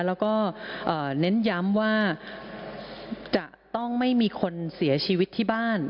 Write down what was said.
แล้วก็เน้นย้ำว่าจะต้องไม่มีคนเสียชีวิตที่บ้าน